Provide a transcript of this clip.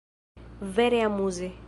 Vere amuze!